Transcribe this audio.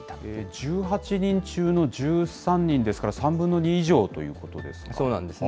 １８人中の１３人ですから、３分の２以上ということですか。